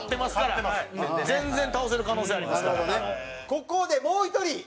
ここでもう一人！